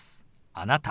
「あなた」。